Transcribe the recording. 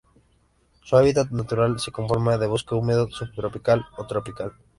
Su hábitat natural se conforma de bosque húmedo subtropical o tropical.